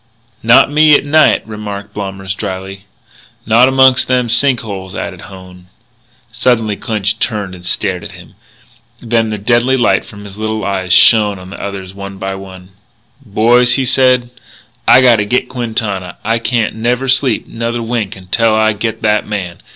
"Not me, at night," remarked Blommers drily. "Not amongst them sink holes," added Hone. Suddenly Clinch turned and stared at him. Then the deadly light from his little eyes shone on the others one by one. "Boys," he said, "I gotta get Quintana. I can't never sleep another wink till I get that man.